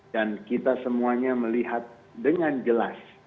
dan kita semuanya melihat dengan jelas